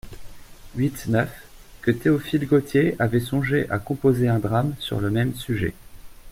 huit-neuf), que Théophile Gautier avait songé à composer un drame sur le même sujet.